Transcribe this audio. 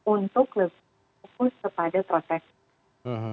untuk lebih fokus kepada proteksi